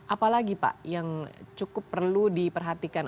apalagi pak yang cukup perlu diperhatikan